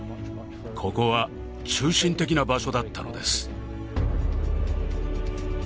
ここは中心的な場所だったのです